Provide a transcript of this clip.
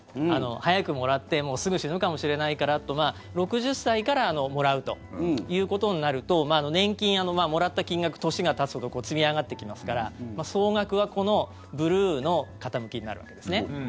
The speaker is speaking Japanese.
早くもらってすぐ死ぬかもしれないからと６０歳からもらうということになると年金、もらった金額年がたつほど積み上がっていきますから総額はこのブルーの傾きになるわけですね。